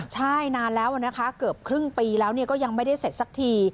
ใช่นานแล้วนะคะเกือบครึ่งปีแล้วก็ยังไม่ได้เสร็จสักที